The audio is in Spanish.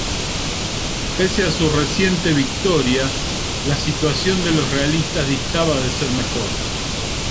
Pese a su reciente victoria, la situación de los realistas distaba de ser mejor.